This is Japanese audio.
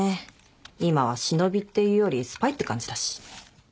今は忍びっていうよりスパイって感じだし。